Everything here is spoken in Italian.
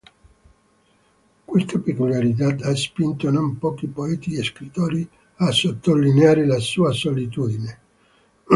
Questa peculiarità ha spinto non pochi poeti e scrittori a sottolineare la sua solitudine.